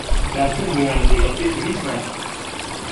جاچون میوانم دەگەل بێت و هیچمان نییە